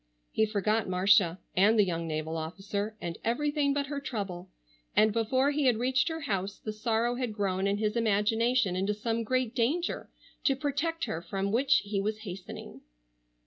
He forgot Marcia, and the young naval officer, and everything but her trouble, and before he had reached her house the sorrow had grown in his imagination into some great danger to protect her from which he was hastening.